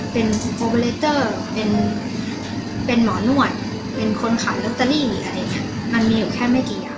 เป็นโบราเตอร์เป็นหมอนวดเป็นคนขับลัตเตอรี่มันมีอยู่แค่ไม่กี่อย่าง